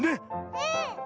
うん！